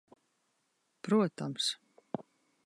Protams.